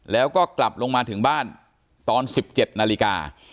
แล้วก็กลับลงมาถึงบ้านตอน๑๗นาฬิกา